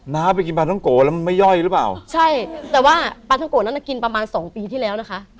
้าไปกินปลาท้องโกะแล้วมันไม่ย่อยหรือเปล่าใช่แต่ว่าปลาท้องโกะนั้นน่ะกินประมาณสองปีที่แล้วนะคะ